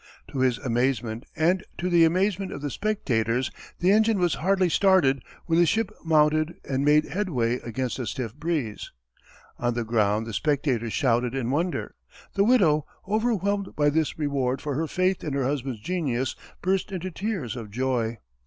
To his amazement and to the amazement of the spectators the engine was hardly started when the ship mounted and made headway against a stiff breeze. On the ground the spectators shouted in wonder; the widow, overwhelmed by this reward for her faith in her husband's genius, burst into tears of joy.